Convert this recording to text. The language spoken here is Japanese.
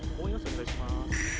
お願いします。